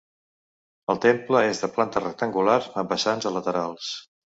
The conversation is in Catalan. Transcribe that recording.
El temple és de planta rectangular amb vessants a laterals.